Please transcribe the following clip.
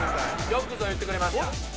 よくぞ言ってくれました。